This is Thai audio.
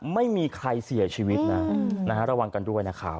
ไม่มีใครเสียชีวิตนะระวังกันด้วยนะครับ